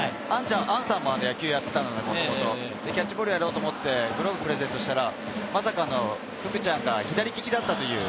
杏さんも野球やってたので、もともとキャッチボールやろうと思ってグローブをプレゼントしたらまさかの福ちゃんが左利きだったという。